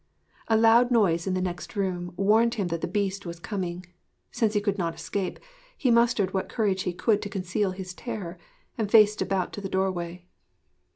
A loud noise in the next room warned him that the Beast was coming. Since he could not escape, he mustered what courage he could to conceal his terror, and faced about to the doorway.